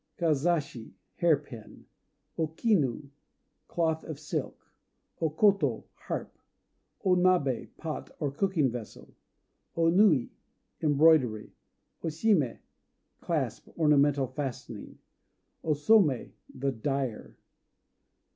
Kazashi "Hair pin." O Kinu "Cloth of Silk." O Koto "Harp." O Nabé "Pot," or cooking vessel. O Nui "Embroidery." O Shimé "Clasp," ornamental fastening. O Somé "The Dyer."